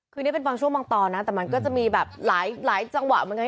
คือนี่เป็นบางช่วงบางตอนนะแต่มันก็จะมีแบบหลายจังหวะเหมือนกัน